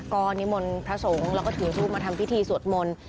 ก็นิมนต์พระสงฆ์แล้วก็ถือรูปมาทำพิธีสวดมนต์